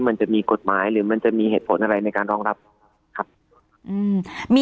มันจะมีกฎหมายหรือมันจะมีเหตุผลอะไรในการรองรับครับ